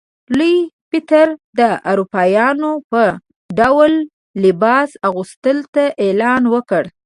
لوی پطر د اروپایانو په ډول لباس اغوستلو ته اعلان وکړ.